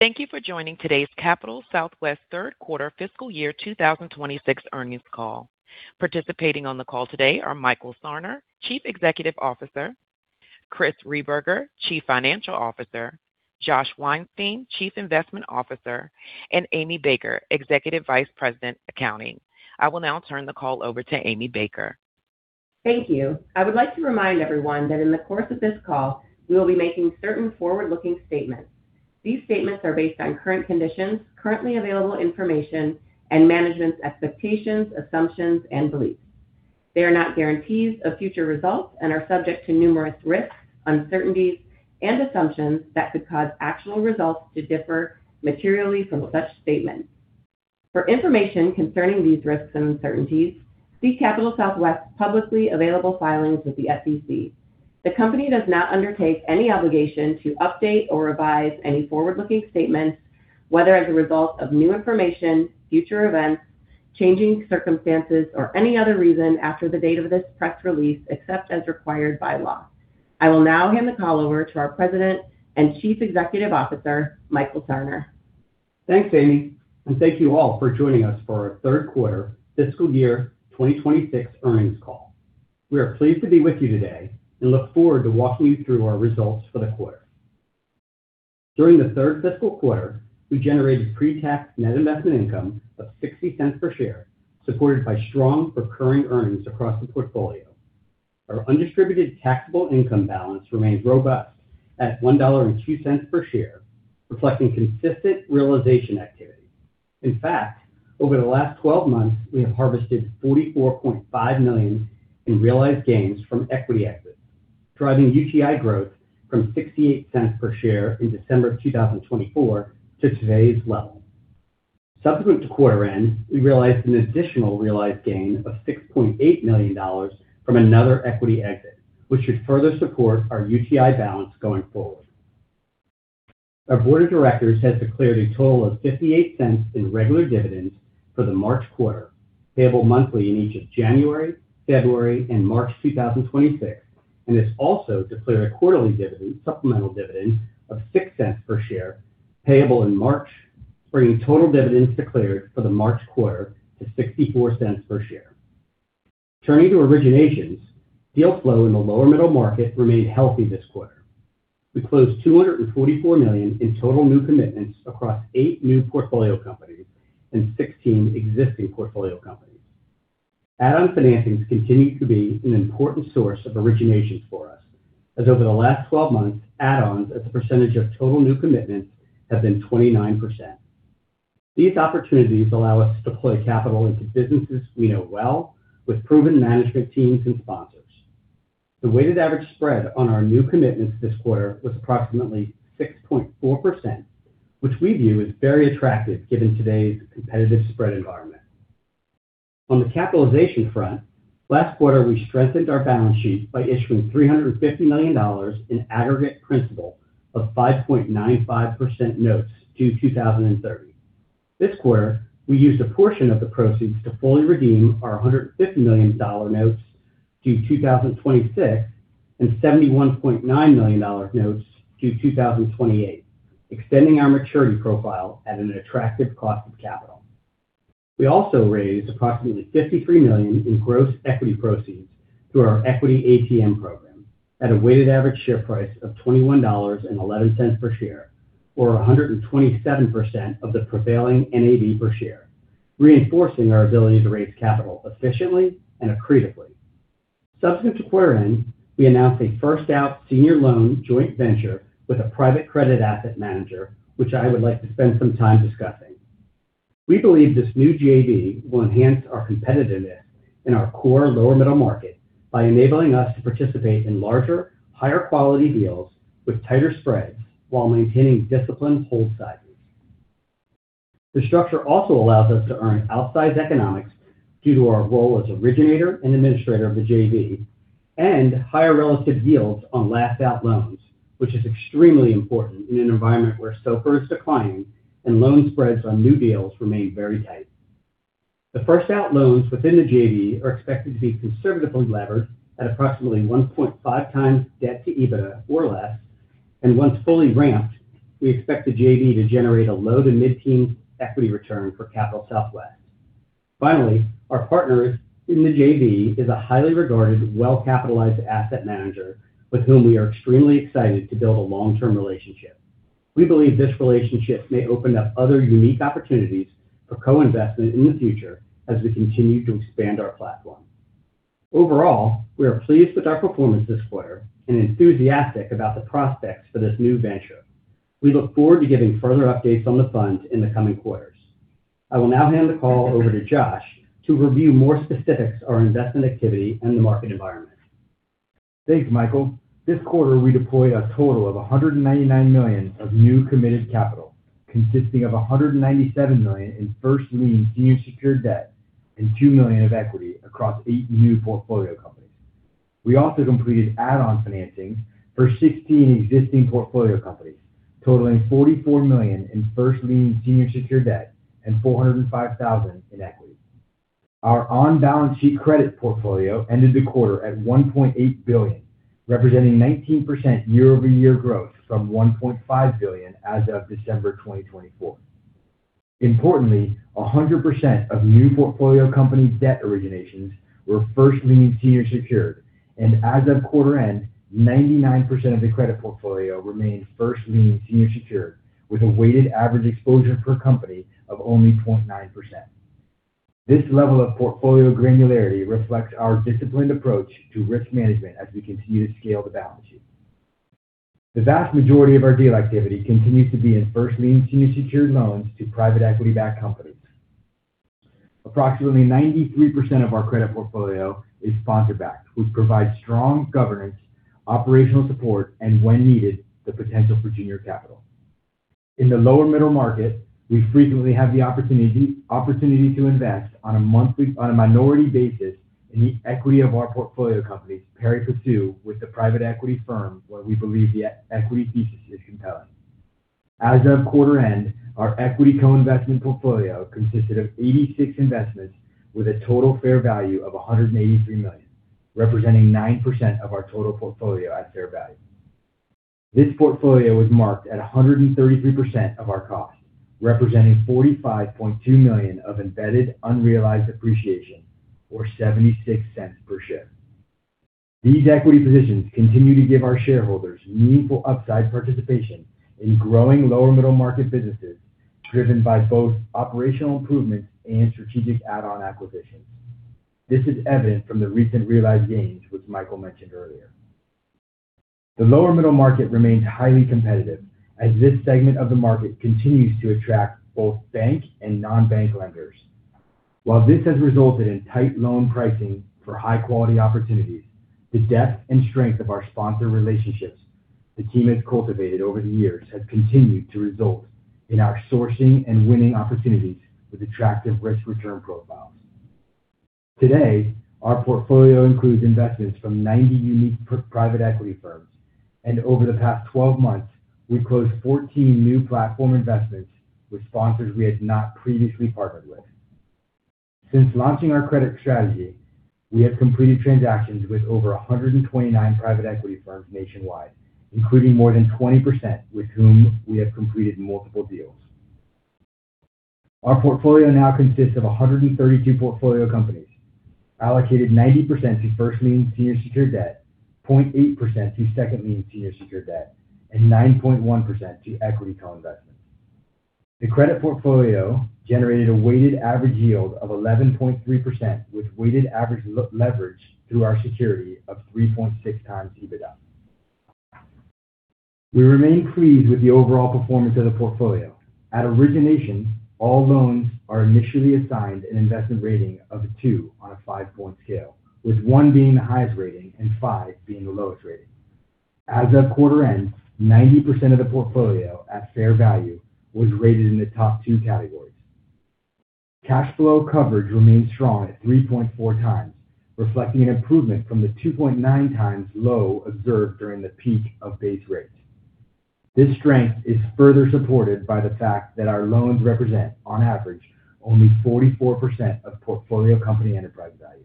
Thank you for joining today's Capital Southwest Third Quarter fiscal year 2026 earnings call. Participating on the call today are Michael Sarner, Chief Executive Officer; Chris Rehberger, Chief Financial Officer; Josh Weinstein, Chief Investment Officer; and Amy Baker, Executive Vice President, Accounting. I will now turn the call over to Amy Baker. Thank you. I would like to remind everyone that in the course of this call we will be making certain forward-looking statements. These statements are based on current conditions, currently available information, and management's expectations, assumptions, and beliefs. They are not guarantees of future results and are subject to numerous risks, uncertainties, and assumptions that could cause actual results to differ materially from such statements. For information concerning these risks and uncertainties, see Capital Southwest's publicly available filings with the SEC. The company does not undertake any obligation to update or revise any forward-looking statements, whether as a result of new information, future events, changing circumstances, or any other reason after the date of this press release except as required by law. I will now hand the call over to our President and Chief Executive Officer, Michael Sarner. Thanks, Amy, and thank you all for joining us for our third-quarter fiscal year 2026 earnings call. We are pleased to be with you today and look forward to walking you through our results for the quarter. During the third fiscal quarter, we generated pre-tax net investment income of $0.60 per share, supported by strong recurring earnings across the portfolio. Our undistributed taxable income balance remains robust at $1.02 per share, reflecting consistent realization activity. In fact, over the last 12 months, we have harvested $44.5 million in realized gains from equity exits, driving UTI growth from $0.68 per share in December 2024 to today's level. Subsequent to quarter-end, we realized an additional realized gain of $6.8 million from another equity exit, which should further support our UTI balance going forward. Our Board of Directors has declared a total of $0.58 in regular dividends for the March quarter, payable monthly in each of January, February, and March 2026, and has also declared a quarterly supplemental dividend of $0.06 per share, payable in March, bringing total dividends declared for the March quarter to $0.64 per share. Turning to originations, deal flow in the lower middle market remained healthy this quarter. We closed $244 million in total new commitments across eight new portfolio companies and 16 existing portfolio companies. Add-on financings continue to be an important source of originations for us, as over the last 12 months, add-ons as a percentage of total new commitments have been 29%. These opportunities allow us to deploy capital into businesses we know well with proven management teams and sponsors. The weighted average spread on our new commitments this quarter was approximately 6.4%, which we view as very attractive given today's competitive spread environment. On the capitalization front, last quarter we strengthened our balance sheet by issuing $350 million in aggregate principal of 5.95% notes due 2030. This quarter, we used a portion of the proceeds to fully redeem our $150 million notes due 2026 and $71.9 million notes due 2028, extending our maturity profile at an attractive cost of capital. We also raised approximately $53 million in gross equity proceeds through our Equity ATM Program at a weighted average share price of $21.11 per share, or 127% of the prevailing NAV per share, reinforcing our ability to raise capital efficiently and accretively. Subsequent to quarter-end, we announced a first-out senior loan joint venture with a private credit asset manager, which I would like to spend some time discussing. We believe this new JV will enhance our competitiveness in our core lower middle market by enabling us to participate in larger, higher quality deals with tighter spreads while maintaining disciplined hold sizes. The structure also allows us to earn outsized economics due to our role as originator and administrator of the JV and higher relative yields on last-out loans, which is extremely important in an environment where SOFR is declining and loan spreads on new deals remain very tight. The first-out loans within the JV are expected to be conservatively levered at approximately 1.5x debt to EBITDA or less, and once fully ramped, we expect the JV to generate a low to mid-teens equity return for Capital Southwest. Finally, our partner in the JV is a highly regarded, well-capitalized asset manager with whom we are extremely excited to build a long-term relationship. We believe this relationship may open up other unique opportunities for co-investment in the future as we continue to expand our platform. Overall, we are pleased with our performance this quarter and enthusiastic about the prospects for this new venture. We look forward to giving further updates on the funds in the coming quarters. I will now hand the call over to Josh to review more specifics on our investment activity and the market environment. Thanks, Michael. This quarter we deployed a total of $199 million of new committed capital, consisting of $197 million in first lien senior secured debt and $2 million of equity across eight new portfolio companies. We also completed add-on financing for 16 existing portfolio companies, totaling $44 million in first lien senior secured debt and $405,000 in equity. Our on-balance sheet credit portfolio ended the quarter at $1.8 billion, representing 19% year-over-year growth from $1.5 billion as of December 2024. Importantly, 100% of new portfolio company debt originations were first lien senior secured, and as of quarter-end, 99% of the credit portfolio remained first lien senior secured with a weighted average exposure per company of only 0.9%. This level of portfolio granularity reflects our disciplined approach to risk management as we continue to scale the balance sheet. The vast majority of our deal activity continues to be in first lien senior secured loans to private equity-backed companies. Approximately 93% of our credit portfolio is sponsor-backed, which provides strong governance, operational support, and, when needed, the potential for junior capital. In the lower middle market, we frequently have the opportunity to invest on a minority basis in the equity of our portfolio companies pari passu with the private equity firm where we believe the equity thesis is compelling. As of quarter-end, our equity co-investment portfolio consisted of 86 investments with a total fair value of $183 million, representing 9% of our total portfolio at fair value. This portfolio was marked at 133% of our cost, representing $45.2 million of embedded unrealized appreciation, or $0.76 per share. These equity positions continue to give our shareholders meaningful upside participation in growing lower middle market businesses driven by both operational improvements and strategic add-on acquisitions. This is evident from the recent realized gains, which Michael mentioned earlier. The lower middle market remains highly competitive as this segment of the market continues to attract both bank and non-bank lenders. While this has resulted in tight loan pricing for high-quality opportunities, the depth and strength of our sponsor relationships the team has cultivated over the years has continued to result in our sourcing and winning opportunities with attractive risk-return profiles. Today, our portfolio includes investments from 90 unique private equity firms, and over the past 12 months, we closed 14 new platform investments with sponsors we had not previously partnered with. Since launching our credit strategy, we have completed transactions with over 129 private equity firms nationwide, including more than 20% with whom we have completed multiple deals. Our portfolio now consists of 132 portfolio companies, allocated 90% to first lien senior secured debt, 0.8% to second lien senior secured debt, and 9.1% to equity co-investments. The credit portfolio generated a weighted average yield of 11.3% with weighted average leverage through our security of 3.6x EBITDA. We remain pleased with the overall performance of the portfolio. At origination, all loans are initially assigned an investment rating of two on a five-point scale, with one being the highest rating and five being the lowest rating. As of quarter-end, 90% of the portfolio at fair value was rated in the top two categories. Cash flow coverage remains strong at 3.4x, reflecting an improvement from the 2.9x low observed during the peak of base rates. This strength is further supported by the fact that our loans represent, on average, only 44% of portfolio company enterprise value.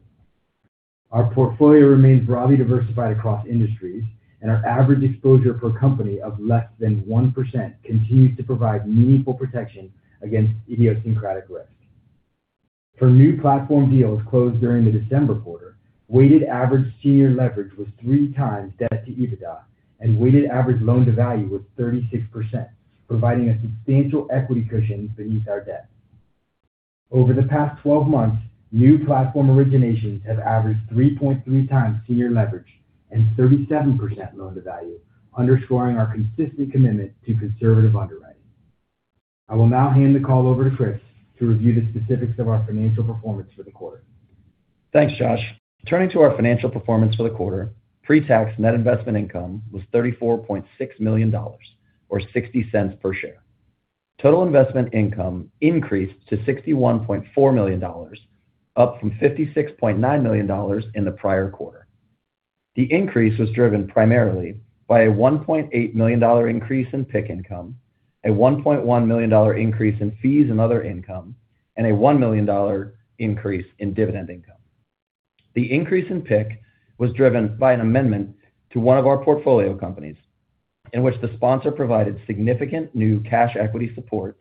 Our portfolio remains broadly diversified across industries, and our average exposure per company of less than 1% continues to provide meaningful protection against idiosyncratic risk. For new platform deals closed during the December quarter, weighted average senior leverage was 3x debt to EBITDA, and weighted average loan to value was 36%, providing a substantial equity cushion beneath our debt. Over the past 12 months, new platform originations have averaged 3.3x senior leverage and 37% loan to value, underscoring our consistent commitment to conservative underwriting. I will now hand the call over to Chris to review the specifics of our financial performance for the quarter. Thanks, Josh. Turning to our financial performance for the quarter, pre-tax net investment income was $34.6 million, or $0.60 per share. Total investment income increased to $61.4 million, up from $56.9 million in the prior quarter. The increase was driven primarily by a $1.8 million increase in PIK income, a $1.1 million increase in fees and other income, and a $1 million increase in dividend income. The increase in PIK was driven by an amendment to one of our portfolio companies in which the sponsor provided significant new cash equity support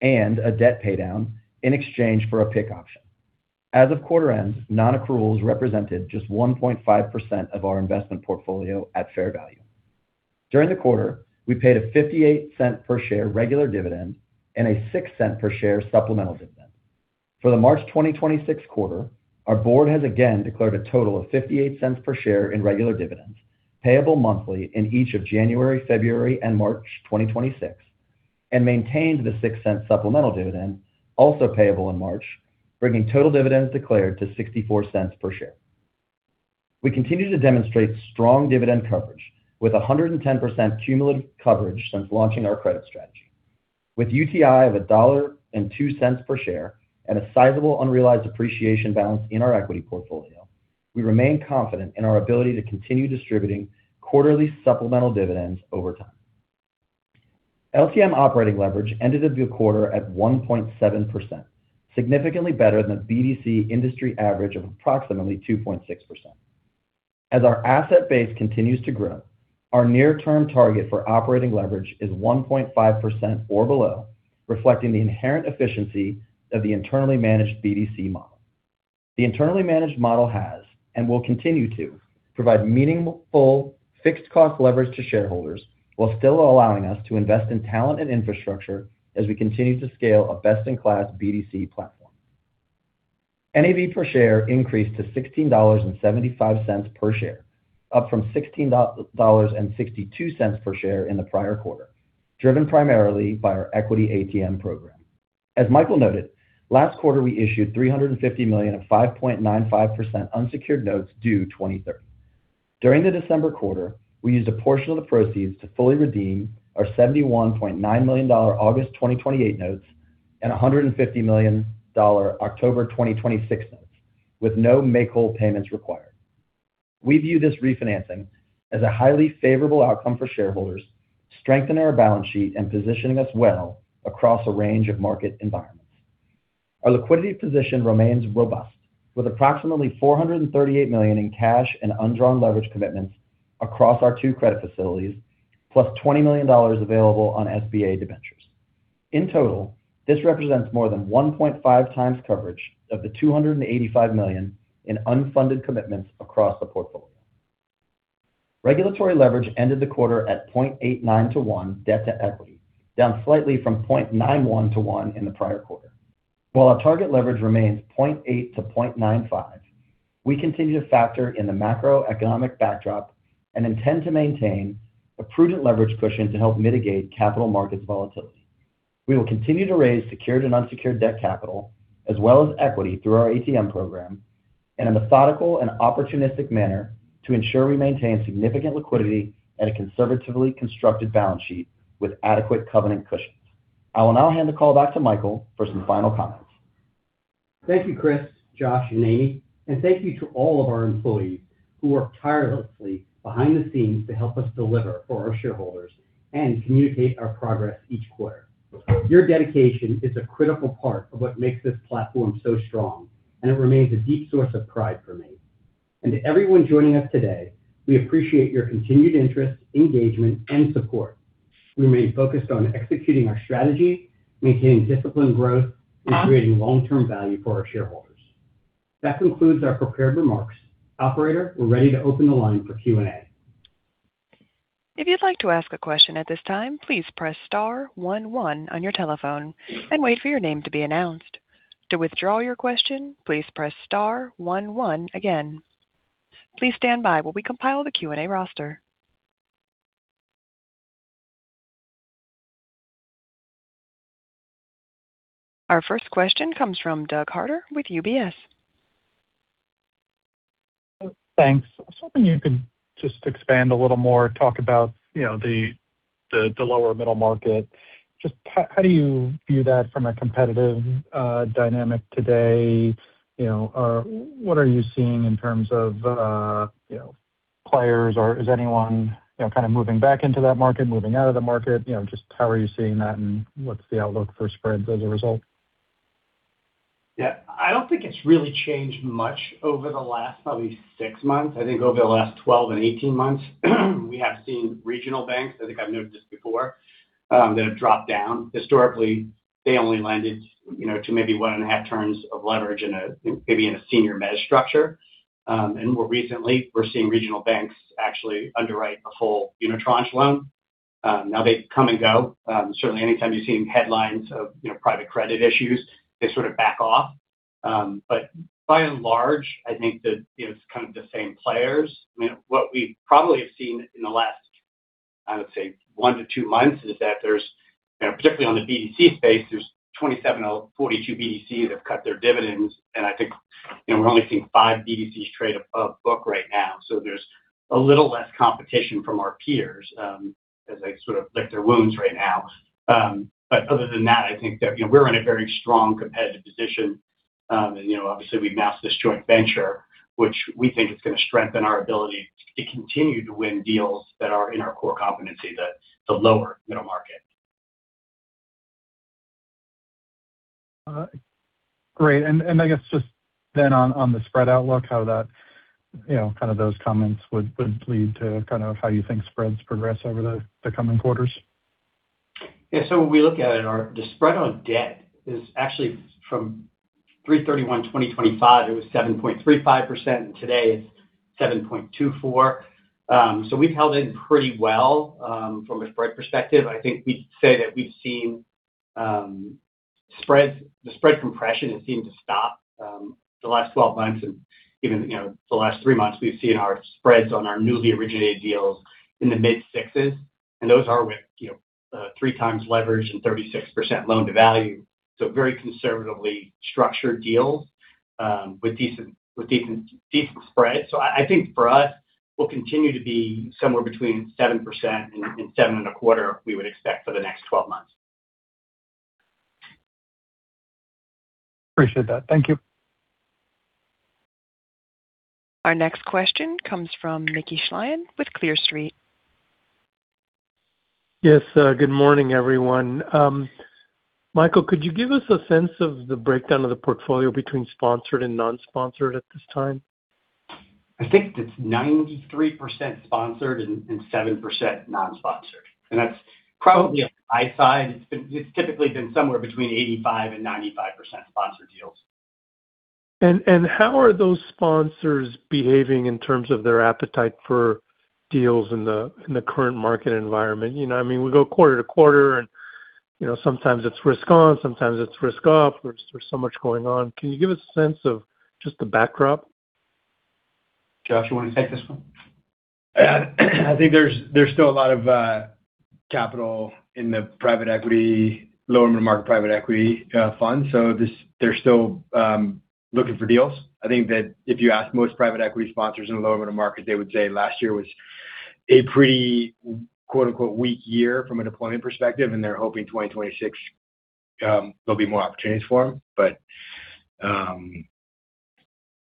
and a debt paydown in exchange for a PIK option. As of quarter-end, non-accruals represented just 1.5% of our investment portfolio at fair value. During the quarter, we paid a $0.58 per share regular dividend and a $0.06 per share supplemental dividend. For the March 2026 quarter, our board has again declared a total of $0.58 per share in regular dividends, payable monthly in each of January, February, and March 2026, and maintained the $0.06 supplemental dividend, also payable in March, bringing total dividends declared to $0.64 per share. We continue to demonstrate strong dividend coverage with 110% cumulative coverage since launching our credit strategy. With UTI of $1.02 per share and a sizable unrealized appreciation balance in our equity portfolio, we remain confident in our ability to continue distributing quarterly supplemental dividends over time. LTM operating leverage ended the quarter at 1.7%, significantly better than the BDC industry average of approximately 2.6%. As our asset base continues to grow, our near-term target for operating leverage is 1.5% or below, reflecting the inherent efficiency of the internally managed BDC model. The internally managed model has and will continue to provide meaningful fixed cost leverage to shareholders while still allowing us to invest in talent and infrastructure as we continue to scale a best-in-class BDC platform. NAV per share increased to $16.75 per share, up from $16.62 per share in the prior quarter, driven primarily by our equity ATM program. As Michael noted, last quarter we issued $350 million of 5.95% unsecured notes due 2030. During the December quarter, we used a portion of the proceeds to fully redeem our $71.9 million August 2028 notes and $150 million October 2026 notes, with no make-whole payments required. We view this refinancing as a highly favorable outcome for shareholders, strengthening our balance sheet and positioning us well across a range of market environments. Our liquidity position remains robust, with approximately $438 million in cash and undrawn leverage commitments across our two credit facilities, plus $20 million available on SBA debentures. In total, this represents more than 1.5x coverage of the $285 million in unfunded commitments across the portfolio. Regulatory leverage ended the quarter at 0.89 to 1 debt to equity, down slightly from 0.91 to 1 in the prior quarter. While our target leverage remains 0.8-0.95, we continue to factor in the macroeconomic backdrop and intend to maintain a prudent leverage cushion to help mitigate capital markets volatility. We will continue to raise secured and unsecured debt capital as well as equity through our ATM program in a methodical and opportunistic manner to ensure we maintain significant liquidity and a conservatively constructed balance sheet with adequate covenant cushions. I will now hand the call back to Michael for some final comments. Thank you, Chris, Josh, and Amy. Thank you to all of our employees who work tirelessly behind the scenes to help us deliver for our shareholders and communicate our progress each quarter. Your dedication is a critical part of what makes this platform so strong, and it remains a deep source of pride for me. To everyone joining us today, we appreciate your continued interest, engagement, and support. We remain focused on executing our strategy, maintaining disciplined growth, and creating long-term value for our shareholders. That concludes our prepared remarks. Operator, we're ready to open the line for Q&A. If you'd like to ask a question at this time, please press star one one on your telephone and wait for your name to be announced. To withdraw your question, please press star one one again. Please stand by while we compile the Q&A roster. Our first question comes from Doug Harter with UBS. Thanks. I was hoping you could just expand a little more, talk about the lower middle market. Just how do you view that from a competitive dynamic today? What are you seeing in terms of players, or is anyone kind of moving back into that market, moving out of the market? Just how are you seeing that, and what's the outlook for spreads as a result? Yeah. I don't think it's really changed much over the last probably six months. I think over the last 12 and 18 months, we have seen regional banks, I think I've noted this before, that have dropped down. Historically, they only lent to maybe 1.5 turns of leverage maybe in a senior debt structure. And more recently, we're seeing regional banks actually underwrite a full unitranche loan. Now, they come and go. Certainly, anytime you're seeing headlines of private credit issues, they sort of back off. But by and large, I think it's kind of the same players. I mean, what we probably have seen in the last, I would say, one to two months is that there's particularly on the BDC space, there's 27 of 42 BDCs that have cut their dividends. And I think we're only seeing five BDCs trade a book right now. So there's a little less competition from our peers as they sort of lick their wounds right now. But other than that, I think that we're in a very strong competitive position. And obviously, we've announced this joint venture, which we think is going to strengthen our ability to continue to win deals that are in our core competency, the lower middle market. Great. I guess just then on the spread outlook, how that kind of those comments would lead to kind of how you think spreads progress over the coming quarters? Yeah. So when we look at it, the spread on debt is actually from March 31, 2025, it was 7.35%, and today it's 7.24%. So we've held in pretty well from a spread perspective. I think we'd say that we've seen spreads the spread compression has seemed to stop the last 12 months. And even the last three months, we've seen our spreads on our newly originated deals in the mid-sixes. And those are with 3x leverage and 36% loan to value. So very conservatively structured deals with decent spreads. So I think for us, we'll continue to be somewhere between 7% and 7.25%, we would expect, for the next 12 months. Appreciate that. Thank you. Our next question comes from Mickey Schleien with Clear Street. Yes. Good morning, everyone. Michael, could you give us a sense of the breakdown of the portfolio between sponsored and non-sponsored at this time? I think it's 93% sponsored and 7% non-sponsored. That's probably a high side. It's typically been somewhere between 85%-95% sponsored deals. How are those sponsors behaving in terms of their appetite for deals in the current market environment? I mean, we go quarter to quarter, and sometimes it's risk on, sometimes it's risk off. There's so much going on. Can you give us a sense of just the backdrop? Josh, you want to take this one? I think there's still a lot of capital in the private equity, lower middle market private equity funds. So they're still looking for deals. I think that if you ask most private equity sponsors in the lower middle markets, they would say last year was a pretty "weak year" from a deployment perspective, and they're hoping 2026 there'll be more opportunities for them.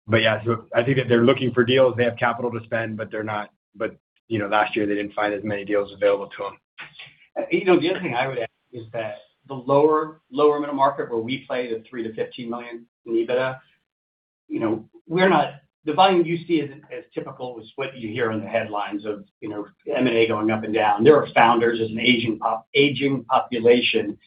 But yeah, so I think that they're looking for deals. They have capital to spend, but they're not, but last year, they didn't find as many deals available to them. The other thing I would add is that the lower middle market where we play the $3 million-$15 million in EBITDA, we're not the volume you see isn't as typical as what you hear in the headlines of M&A going up and down. There are founders. There's an aging population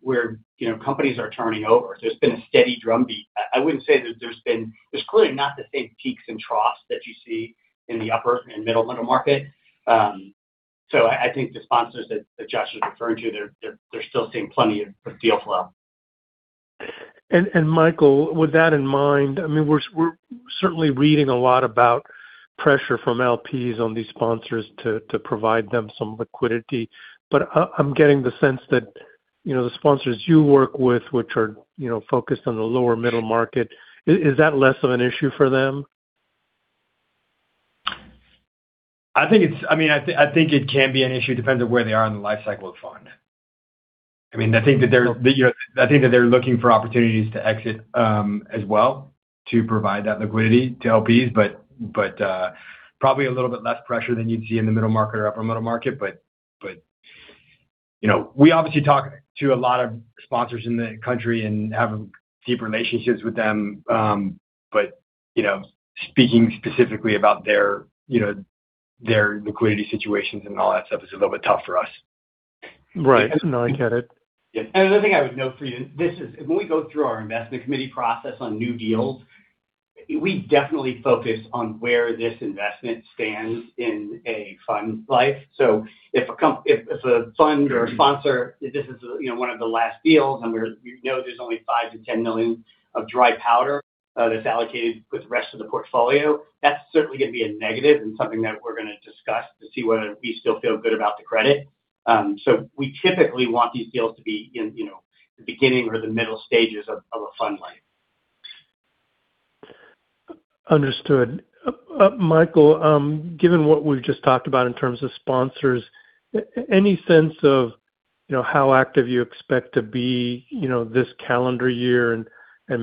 where companies are turning over. There's been a steady drumbeat. I wouldn't say that there's been there's clearly not the same peaks and troughs that you see in the upper and middle middle market. So I think the sponsors that Josh is referring to, they're still seeing plenty of deal flow. Michael, with that in mind, I mean, we're certainly reading a lot about pressure from LPs on these sponsors to provide them some liquidity. But I'm getting the sense that the sponsors you work with, which are focused on the lower middle market, is that less of an issue for them? I mean, I think it can be an issue. It depends on where they are in the lifecycle of the fund. I mean, I think that they're looking for opportunities to exit as well to provide that liquidity to LPs, but probably a little bit less pressure than you'd see in the middle market or upper middle market. But we obviously talk to a lot of sponsors in the country and have deep relationships with them. But speaking specifically about their liquidity situations and all that stuff is a little bit tough for us. Right. No, I get it. Another thing I would note for you, this is when we go through our investment committee process on new deals, we definitely focus on where this investment stands in a fund's life. So if a fund or a sponsor, this is one of the last deals, and we know there's only $5 million-$10 million of dry powder that's allocated with the rest of the portfolio, that's certainly going to be a negative and something that we're going to discuss to see whether we still feel good about the credit. So we typically want these deals to be in the beginning or the middle stages of a fund life. Understood. Michael, given what we've just talked about in terms of sponsors, any sense of how active you expect to be this calendar year and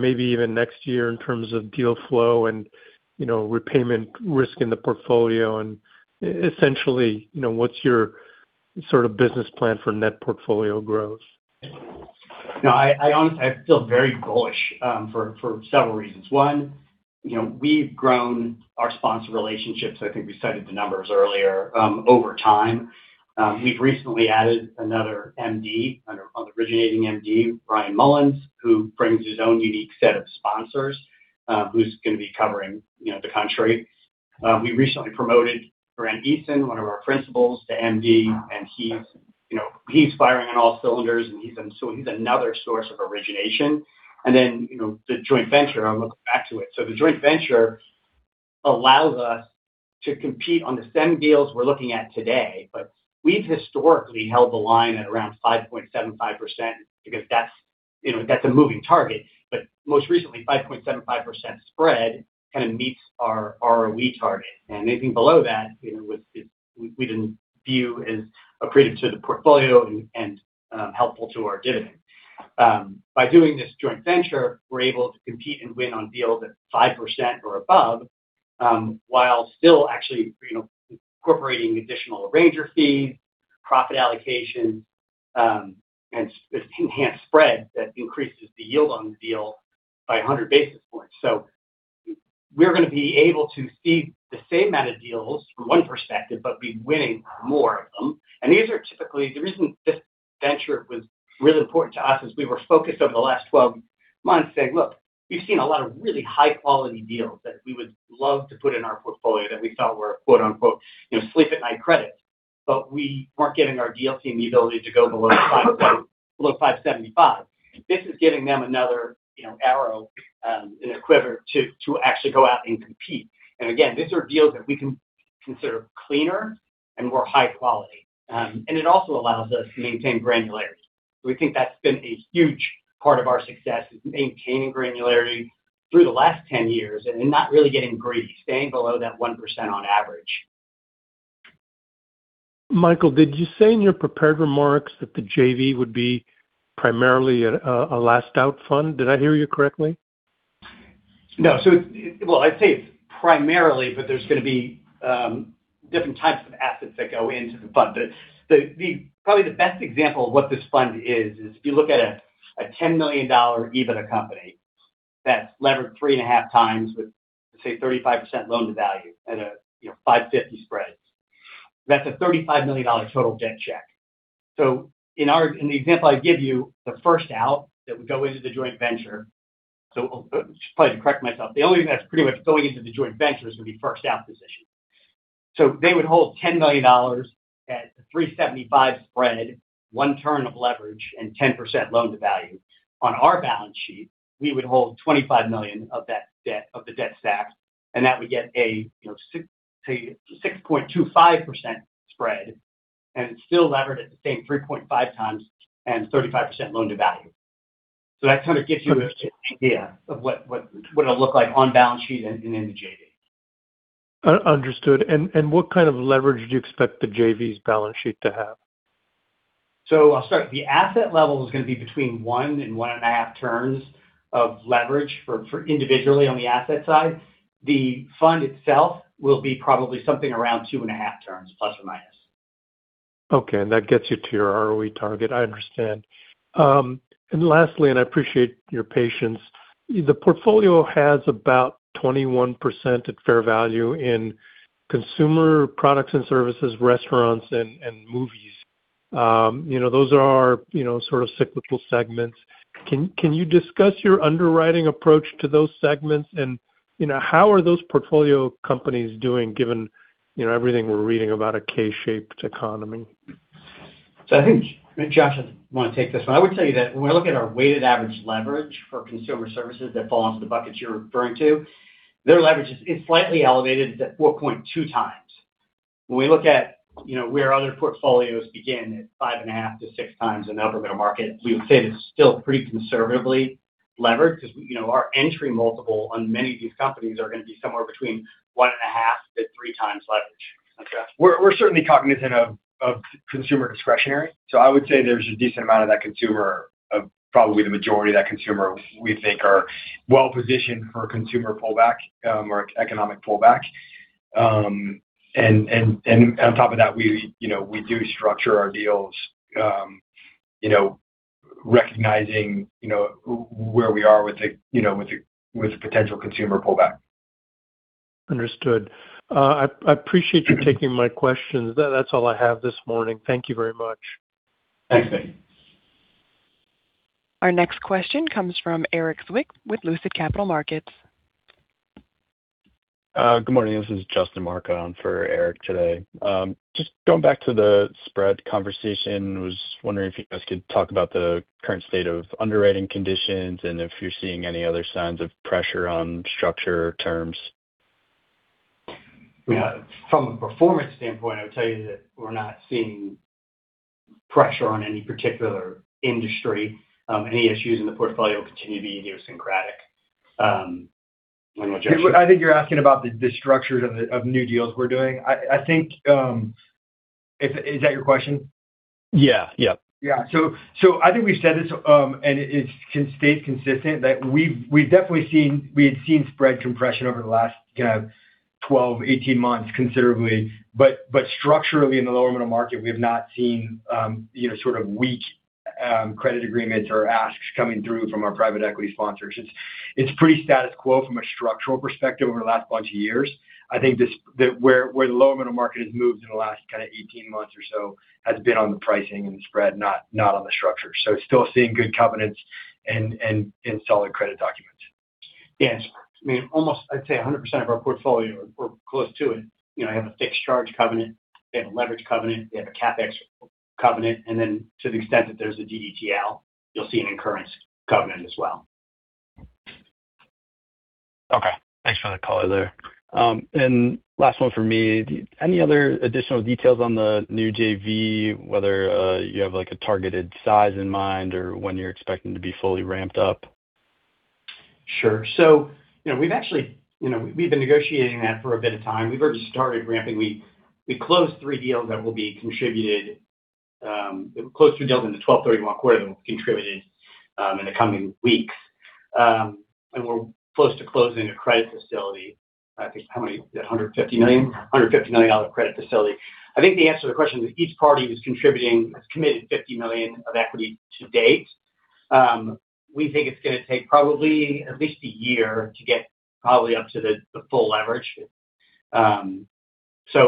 maybe even next year in terms of deal flow and repayment risk in the portfolio? Essentially, what's your sort of business plan for net portfolio growth? No, I honestly, I feel very bullish for several reasons. One, we've grown our sponsor relationships. I think we cited the numbers earlier over time. We've recently added another MD, an originating MD, Ryan Mullins, who brings his own unique set of sponsors who's going to be covering the country. We recently promoted Grant Eason, one of our principals, to MD, and he's firing on all cylinders, and so he's another source of origination. And then the joint venture, I'll look back to it. So the joint venture allows us to compete on the same deals we're looking at today. But we've historically held the line at around 5.75% because that's a moving target. But most recently, 5.75% spread kind of meets our ROE target. And anything below that, we didn't view as accretive to the portfolio and helpful to our dividend. By doing this joint venture, we're able to compete and win on deals at 5% or above while still actually incorporating additional arranger fees, profit allocations, and enhanced spread that increases the yield on the deal by 100 basis points. So we're going to be able to see the same amount of deals from one perspective, but be winning more of them. And these are typically the reason this venture was really important to us is we were focused over the last 12 months saying, "Look, we've seen a lot of really high-quality deals that we would love to put in our portfolio that we thought were, quote-unquote, 'sleep-at-night credits,' but we weren't giving our deal team the ability to go below 575." This is giving them another arrow and equivalent to actually go out and compete. And again, these are deals that we can consider cleaner and more high quality. It also allows us to maintain granularity. We think that's been a huge part of our success is maintaining granularity through the last 10 years and not really getting greedy, staying below that 1% on average. Michael, did you say in your prepared remarks that the JV would be primarily a last-out fund? Did I hear you correctly? No. So well, I'd say it's primarily, but there's going to be different types of assets that go into the fund. But probably the best example of what this fund is is if you look at a $10 million EBITDA company that's levered 3.5x with, say, 35% loan to value at a 550 spread, that's a $35 million total debt check. So in the example I gave you, the first out that would go into the joint venture so just probably to correct myself, the only thing that's pretty much going into the joint venture is going to be first-out position. So they would hold $10 million at a 375 spread, one turn of leverage, and 10% loan to value. On our balance sheet, we would hold $25 million of the debt stack, and that would get a, say, 6.25% spread, and it's still levered at the same 3.5x and 35% loan to value. So that kind of gives you an idea of what it'll look like on balance sheet and in the JV. Understood. What kind of leverage do you expect the JV's balance sheet to have? I'll start. The asset level is going to be between one and one and half turns of leverage individually on the asset side. The fund itself will be probably something around ±2.5 turns. Okay. And that gets you to your ROE target. I understand. And lastly, and I appreciate your patience, the portfolio has about 21% at fair value in consumer products and services, restaurants, and movies. Those are our sort of cyclical segments. Can you discuss your underwriting approach to those segments, and how are those portfolio companies doing given everything we're reading about a K-shaped economy? I think Josh would want to take this one. I would tell you that when we look at our weighted average leverage for consumer services that fall into the buckets you're referring to, their leverage is slightly elevated at 4.2x. When we look at where other portfolios begin at 5.5x-6x in the upper middle market, we would say it's still pretty conservatively levered because our entry multiple on many of these companies are going to be somewhere between 1.5x-3x leverage. Is that correct? We're certainly cognizant of consumer discretionary. So I would say there's a decent amount of that consumer of probably the majority of that consumer, we think, are well-positioned for consumer pullback or economic pullback. And on top of that, we do structure our deals recognizing where we are with a potential consumer pullback. Understood. I appreciate you taking my questions. That's all I have this morning. Thank you very much. Thanks, Mickey. Our next question comes from Erik Zwick with Lucid Capital Markets. Good morning. This is Justin Marcon for Erik today. Just going back to the spread conversation, I was wondering if you guys could talk about the current state of underwriting conditions and if you're seeing any other signs of pressure on structure or terms. Yeah. From a performance standpoint, I would tell you that we're not seeing pressure on any particular industry. Any issues in the portfolio will continue to be idiosyncratic. I don't know, Josh. I think you're asking about the structures of new deals we're doing. I think is that your question? Yeah. Yep. Yeah. So I think we've said this, and it stays consistent, that we've definitely seen we had seen spread compression over the last kind of 12 months-18 months considerably. But structurally, in the lower middle market, we have not seen sort of weak credit agreements or asks coming through from our private equity sponsors. It's pretty status quo from a structural perspective over the last bunch of years. I think where the lower middle market has moved in the last kind of 18 months or so has been on the pricing and the spread, not on the structure. So still seeing good covenants and solid credit documents. Yes. I mean, almost, I'd say, 100% of our portfolio or close to it, they have a fixed charge covenant. They have a leverage covenant. They have a CapEx covenant. And then to the extent that there's a DDTL, you'll see an incurrence covenant as well. Okay. Thanks for the color there. Last one for me, any other additional details on the new JV, whether you have a targeted size in mind or when you're expecting to be fully ramped up? Sure. So we've actually been negotiating that for a bit of time. We've already started ramping. We closed three deals that will be contributed close to deals in the 12/31 quarter that will be contributed in the coming weeks. And we're close to closing a credit facility. I think how many is that? $150 million? $150 million credit facility. I think the answer to the question is each party is committed $50 million of equity to date. We think it's going to take probably at least a year to get probably up to the full leverage. So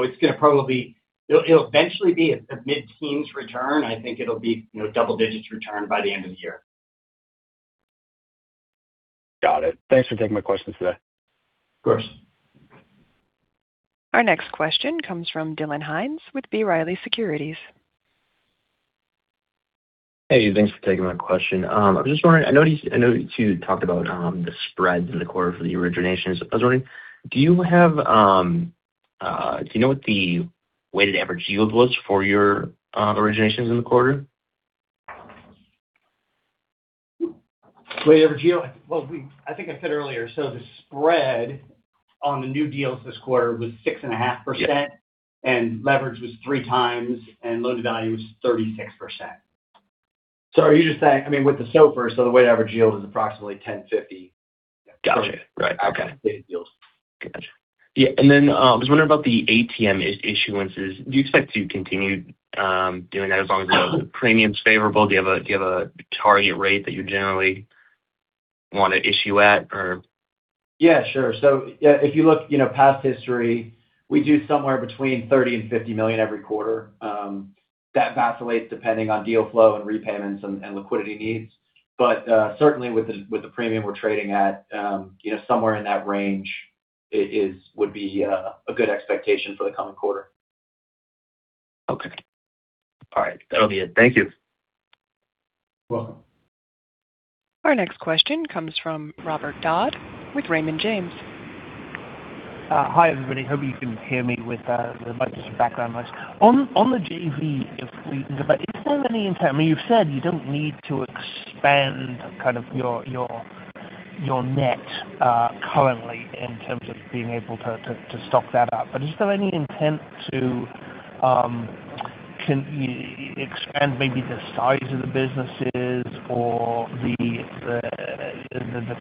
it's going to probably it'll eventually be a mid-teens return. I think it'll be double-digit return by the end of the year. Got it. Thanks for taking my questions today. Of course. Our next question comes from Dylan Hines with B. Riley Securities. Hey. Thanks for taking my question. I was just wondering. I know you two talked about the spreads in the quarter for the originations. I was wondering, do you have do you know what the weighted average yield was for your originations in the quarter? Weighted average yield? Well, I think I said earlier. So the spread on the new deals this quarter was 6.5%, and leverage was 3x, and loan to value was 36%. So are you just saying, I mean, with the SOFR, so the weighted average yield is approximately 1050. Gotcha. Right. Okay. On the weighted deals. Gotcha. Yeah. And then I was wondering about the ATM issuances. Do you expect to continue doing that as long as the premium's favorable? Do you have a target rate that you generally want to issue at, or? Yeah. Sure. So yeah, if you look past history, we do somewhere between $30 million and $50 million every quarter. That vacillates depending on deal flow and repayments and liquidity needs. But certainly, with the premium we're trading at, somewhere in that range would be a good expectation for the coming quarter. Okay. All right. That'll be it. Thank you. You're welcome. Our next question comes from Robert Dodd with Raymond James. Hi, everybody. Hope you can hear me with the microphone background noise. On the JV, is there any intent? I mean, you've said you don't need to expand kind of your net currently in terms of being able to stock that up. But is there any intent to expand maybe the size of the businesses or the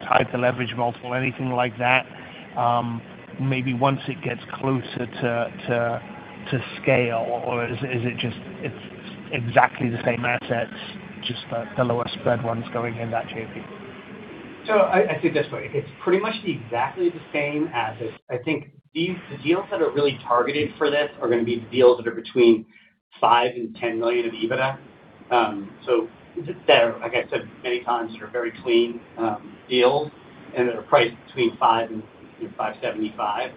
type of leverage multiple, anything like that, maybe once it gets closer to scale? Or is it just it's exactly the same assets, just the lower spread ones going in that JV? So I'd say this way. It's pretty much exactly the same assets. I think the deals that are really targeted for this are going to be the deals that are between $5million-$10 million of EBITDA. So they're, like I said many times, very clean deals, and they're priced between 5 and 5.75.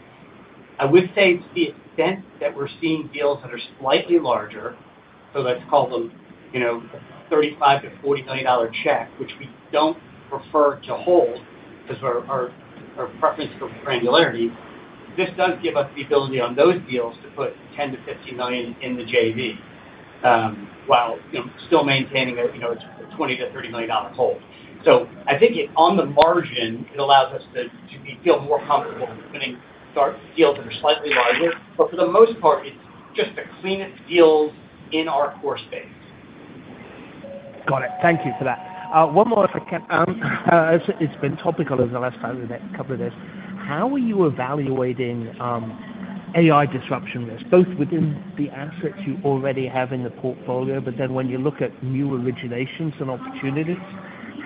I would say to the extent that we're seeing deals that are slightly larger - so let's call them a $35-$40 million check, which we don't prefer to hold because of our preference for granularity - this does give us the ability on those deals to put $10 million-$15 million in the JV while still maintaining a $20 million-$30 million hold. So I think on the margin, it allows us to feel more comfortable in putting deals that are slightly larger. But for the most part, it's just the cleanest deals in our core space. Got it. Thank you for that. One more, if I can. It's been topical over the last couple of days. How are you evaluating AI disruption risk, both within the assets you already have in the portfolio, but then when you look at new originations and opportunities?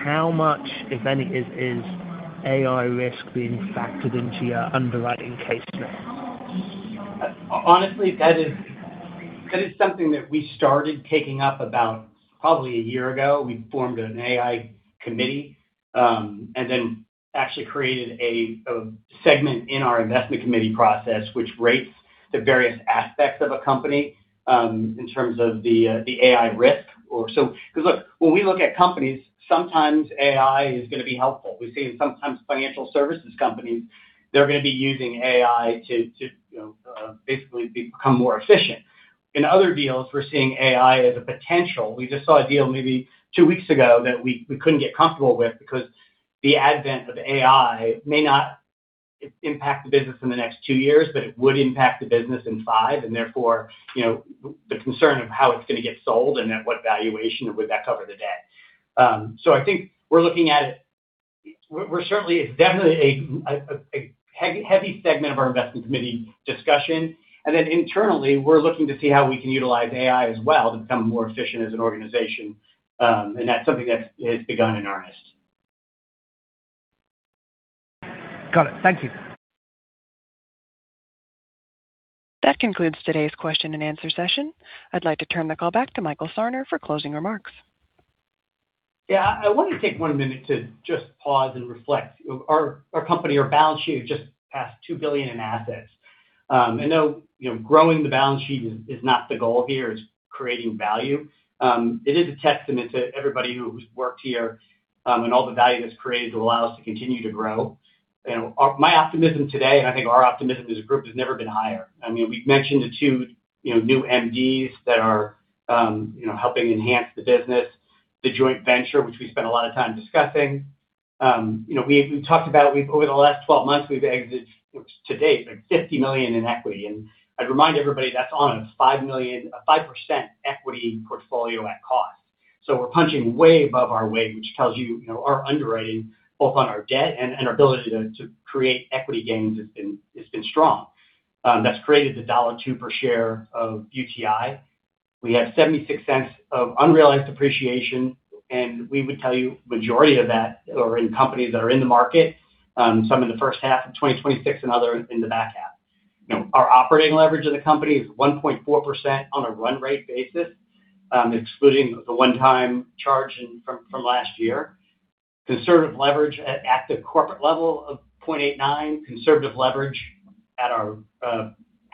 How much, if any, is AI risk being factored into your underwriting case now? Honestly, that is something that we started taking up about probably a year ago. We formed an AI committee and then actually created a segment in our investment committee process which rates the various aspects of a company in terms of the AI risk. Because look, when we look at companies, sometimes AI is going to be helpful. We're seeing sometimes financial services companies, they're going to be using AI to basically become more efficient. In other deals, we're seeing AI as a potential. We just saw a deal maybe two weeks ago that we couldn't get comfortable with because the advent of AI may not impact the business in the next two years, but it would impact the business in five. And therefore, the concern of how it's going to get sold and at what valuation, and would that cover the debt? I think we're looking at it certainly, it's definitely a heavy segment of our investment committee discussion. Internally, we're looking to see how we can utilize AI as well to become more efficient as an organization. That's something that has begun in earnest. Got it. Thank you. That concludes today's question and answer session. I'd like to turn the call back to Michael Sarner for closing remarks. Yeah. I want to take one minute to just pause and reflect. Our company, our balance sheet, just passed $2 billion in assets. I know growing the balance sheet is not the goal here. It's creating value. It is a testament to everybody who's worked here and all the value that's created that allows us to continue to grow. My optimism today, and I think our optimism as a group, has never been higher. I mean, we've mentioned the two new MDs that are helping enhance the business, the joint venture, which we spent a lot of time discussing. We've talked about over the last 12 months, we've exited to date $50 million in equity. And I'd remind everybody, that's on a 5% equity portfolio at cost. So we're punching way above our weight, which tells you our underwriting, both on our debt and our ability to create equity gains, has been strong. That's created the $2 per share of UTI. We have $0.76 of unrealized appreciation. And we would tell you the majority of that are in companies that are in the market, some in the first half of 2026 and other in the back half. Our operating leverage of the company is 1.4% on a run-rate basis, excluding the one-time charge from last year. Conservative leverage at the corporate level of 0.89, conservative leverage at our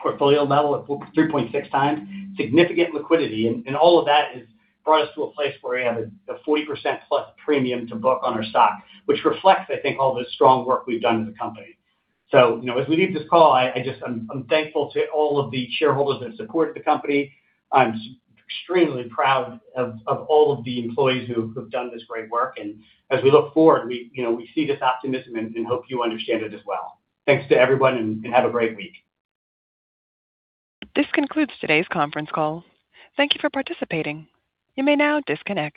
portfolio level of 3.6x, significant liquidity. And all of that has brought us to a place where we have a +40% premium to book on our stock, which reflects, I think, all the strong work we've done as a company. As we leave this call, I'm thankful to all of the shareholders that have supported the company. I'm extremely proud of all of the employees who have done this great work. As we look forward, we see this optimism and hope you understand it as well. Thanks to everyone, and have a great week. This concludes today's conference call. Thank you for participating. You may now disconnect.